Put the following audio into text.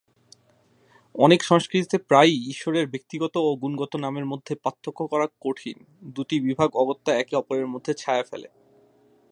অনেক সংস্কৃতিতে প্রায়ই ঈশ্বরের ব্যক্তিগত ও গুণগত নামের মধ্যে পার্থক্য করা কঠিন, দুটি বিভাগ অগত্যা একে অপরের মধ্যে ছায়া ফেলে।